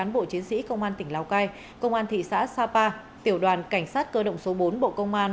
bộ chiến sĩ công an tỉnh lào cai công an thị xã sapa tiểu đoàn cảnh sát cơ động số bốn bộ công an